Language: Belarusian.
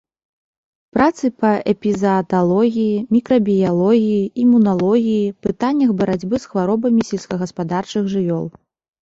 Працы па эпізааталогіі, мікрабіялогіі, імуналогіі, пытаннях барацьбы з хваробамі сельскагаспадарчых жывёл.